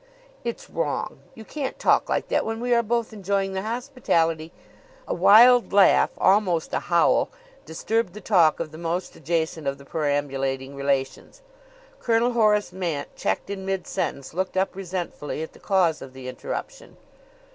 "It's wrong. You can't talk like that when we are both enjoying the hospitality " A wild laugh, almost a howl, disturbed the talk of the most adjacent of the perambulating relations. Colonel Horace Mant, checked in mid sentence, looked up resentfully at the cause of the interruption.